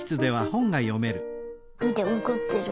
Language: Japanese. みておこってる。